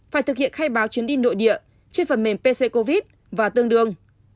phải thực hiện khai báo chuyến đi nội địa trên phần mềm pc covid và tương đương